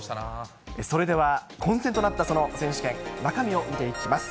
それでは、混戦となったその選手権、中身を見ていきます。